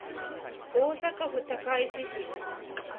大阪府高石市